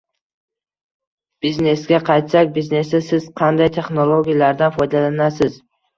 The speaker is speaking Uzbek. — Biznesga qaytsak, biznesda siz qanday texnologiyalardan foydalanasiz?